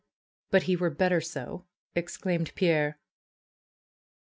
But he were better so!" exclaimed Pierre.